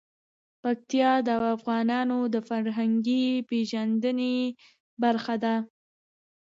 پکتیا د افغانانو د فرهنګي پیژندنې برخه ده.